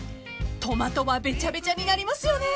［トマトはべちゃべちゃになりますよね］